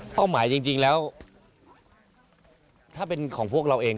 หมายจริงแล้วถ้าเป็นของพวกเราเอง